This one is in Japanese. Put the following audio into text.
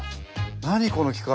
何この機械。